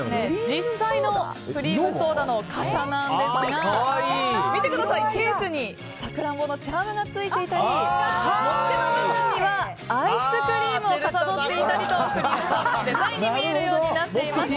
実際のクリームソーダの傘なんですが見てください、ケースにサクランボのチャームがついていたり持ち手の部分にはアイスクリームをかたどっていたりとクリームソーダに見えるようになっています。